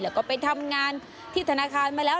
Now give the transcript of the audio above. แล้วก็ไปทำงานที่ธนาคารมาแล้ว